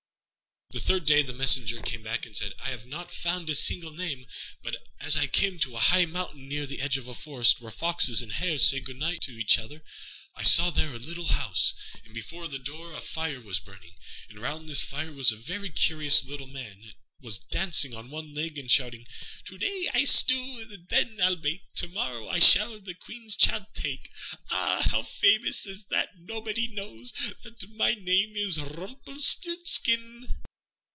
The third day the messenger came back and said, "I have not found a single name; but as I came to a high mountain near the edge of a forest, where foxes and hares say good night to each other, I saw there a little house, and before the door a fire was burning, and round this fire a very curious little Man was dancing on one leg, and shouting: "'To day I stew, and then I'll bake, To morrow I shall the Queen's child take; Ah! how famous it is that nobody knows That my name is Rumpelstiltskin.'"